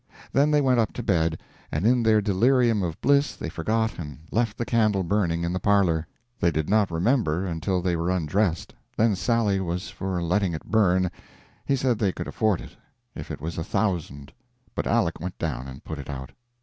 Then they went up to bed, and in their delirium of bliss they forgot and left the candle burning in the parlor. They did not remember until they were undressed; then Sally was for letting it burn; he said they could afford it, if it was a thousand. But Aleck went down and put it out.